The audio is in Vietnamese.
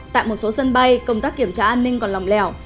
tại một số sân bay công tác kiểm tra an ninh còn lòng lẻo